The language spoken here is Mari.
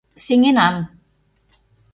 сеҥенам.